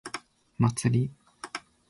祭り